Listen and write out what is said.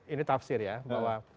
ini tafsir ya bahwa